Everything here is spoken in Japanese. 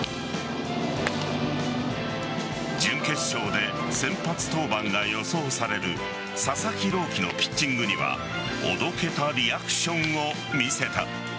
準決勝で先発登板が予想される佐々木朗希のピッチングにはおどけたリアクションを見せた。